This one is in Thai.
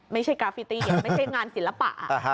ไม่ใช่กราฟิติไม่ใช่งานศิลปะ